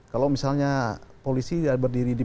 kalau misalnya polisi berdiri di